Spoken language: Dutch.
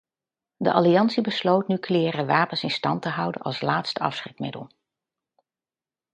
De alliantie besloot nucleaire wapens in stand te houden als laatste afschrikmiddel.